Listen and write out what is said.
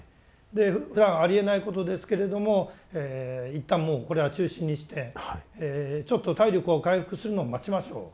でふだんありえないことですけれども一旦もうこれは中心にしてちょっと体力を回復するのを待ちましょう。